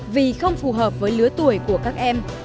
vì không phù hợp với lứa tuổi của các em